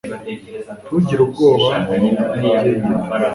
Ntugire ubwoba Nigihe gito